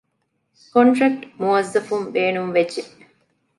ކޮންޓްރެކްޓް މުއައްޒަފުން ބޭނުންވެއްޖެ